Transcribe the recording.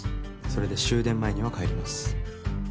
それで終電前には帰ります。